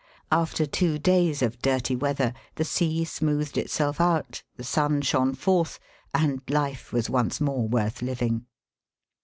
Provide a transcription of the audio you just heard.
After two days of dirty weather the sea smoothed itself out, the sun shone forth, and life was once more worth living.